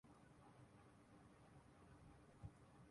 مطلع جزوی طور پر ابر آلود رہے گا